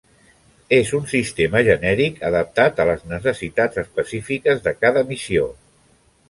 És un sistema genèric, adaptat a les necessitats específiques de cada missió.